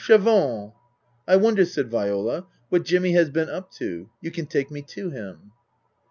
Chevons f "" I wonder/' said Viola, " what Jimmy has been up to ? You can take me to him."